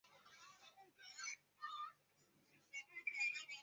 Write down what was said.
下表列出各加盟共和国在苏联解体前所使用的国徽。